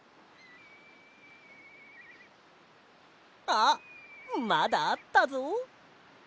あっまだあったぞ。